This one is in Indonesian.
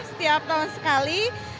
setiap tahun sekali